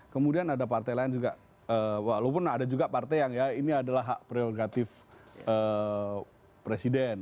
kemudian ada partai lain juga walaupun ada juga partai yang ya ini adalah hak prerogatif presiden